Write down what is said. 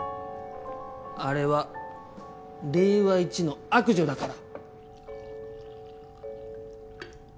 あれは令和イチの悪女だから。